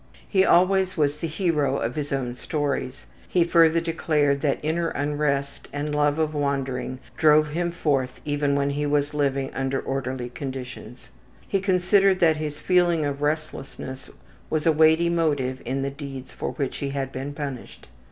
He always was the hero of his own stories. He further declared that inner unrest and love of wandering drove him forth even when he was living under orderly conditions. He considered that his feeling of restlessness was a weighty motive in the deeds for which he had been punished.